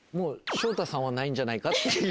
昇太さんはないんじゃないかっていう。